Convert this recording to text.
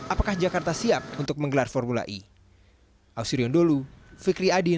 apakah jakarta siap untuk menggelar formula e